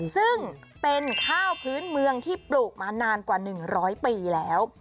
ซึ่งเป็นข้าวพื้นเมืองที่ปลูกมานานกว่า๑๐๐ปีแล้ว